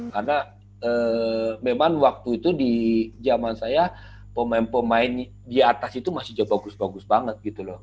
karena memang waktu itu di zaman saya pemain pemain di atas itu masih bagus bagus banget gitu loh